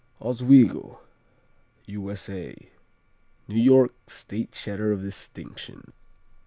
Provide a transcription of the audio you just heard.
Oswego U.S.A. New York State Cheddar of distinction.